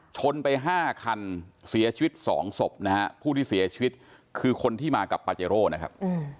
ชนไปห้าคันเสียชีวิตสองศพนะฮะผู้ที่เสียชีวิตคือคนที่มากับปาเจโร่นะครับ